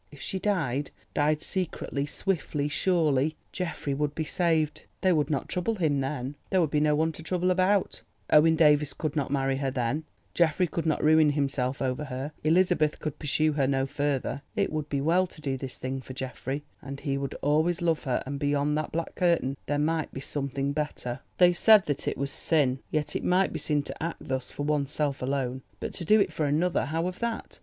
If she died—died secretly, swiftly, surely—Geoffrey would be saved; they would not trouble him then, there would be no one to trouble about: Owen Davies could not marry her then, Geoffrey could not ruin himself over her, Elizabeth could pursue her no further. It would be well to do this thing for Geoffrey, and he would always love her, and beyond that black curtain there might be something better. They said that it was sin. Yes, it might be sin to act thus for oneself alone. But to do it for another—how of that!